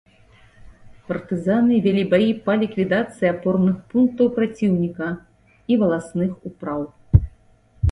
Партызаны вялі баі па ліквідацыі апорных пунктаў праціўніка і валасных упраў.